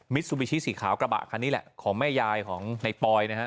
ซูบิชิสีขาวกระบะคันนี้แหละของแม่ยายของในปอยนะฮะ